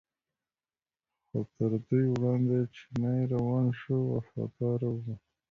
خو تر دوی وړاندې چینی روان شو وفاداره و.